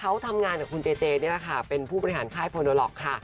เขาทำงานกับคุณเจเจนี่แหละค่ะเป็นผู้บริหารค่ายโพโนล็อกค่ะ